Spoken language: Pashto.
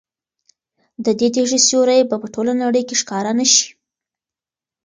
د دې تیږې سیوری به په ټوله نړۍ کې ښکاره نه شي.